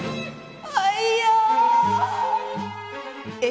アイヤー。え？